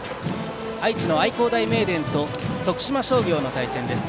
愛知の愛工大名電と徳島商業の対戦です。